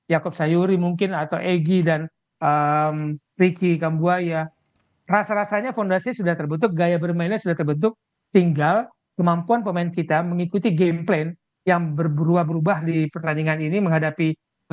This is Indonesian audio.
yaakob sayuri mungkin atau egy dan ricky kambuaya rasa rasanya fondasi sudah terbentuk gaya bermainnya sudah terbentuk tinggal kemampuan pemain kita mengikuti game plain yang berubah berubah di pertandingan ini menghadapi